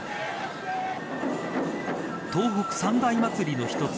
東北三大祭りの１つ。